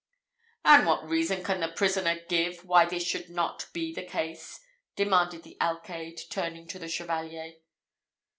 "And what reason can the prisoner give, why this should not be the case?" demanded the alcayde, turning to the Chevalier.